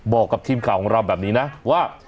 บอกกับทีมข่าวของเราแบบนี้นะว่า